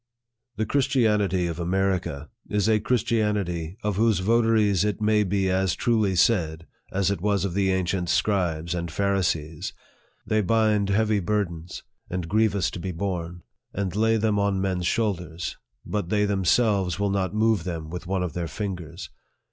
" The Christianity of America is a Christianity, of whose votaries it may be as truly said, as it was of the LIFE OF FREDERICK DOUGLASS. 121 ancient scribes and Pharisees, " They bind heavy burdens, and grievous to be borne, and lay them on men's shoulders, but they themselves will not move them with one of their fingers.